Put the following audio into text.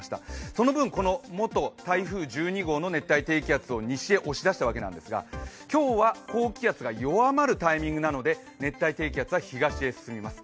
その分、元台風１２号を西へ押し出したわけなんですが今日は高気圧が弱まるタイミングなので熱帯低気圧は東へ進みます。